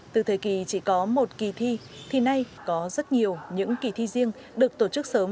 từ thời kỳ chỉ có một kỳ thi thì nay có rất nhiều những kỳ thi riêng được tổ chức sớm